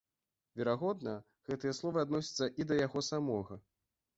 Верагодна, гэтыя словы адносяцца і да яго самога.